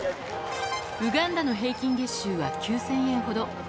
ウガンダの平均月収は９０００円ほど。